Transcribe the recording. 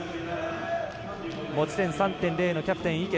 持ち点３．０のキャプテンの池。